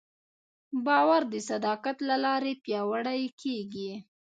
باور د صداقت له لارې پیاوړی کېږي.